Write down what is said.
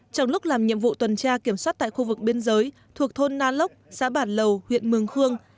trong lúc làm nhiệm vụ tuần tra kiểm soát tại khu vực biên giới thuộc thôn na lốc xã bản lầu huyện mường khương